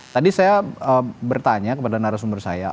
tadi saya bertanya kepada narasumber saya